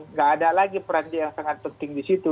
nggak ada lagi peran dia yang sangat penting di situ